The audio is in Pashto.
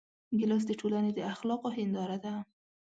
ګیلاس د ټولنې د اخلاقو هنداره ده.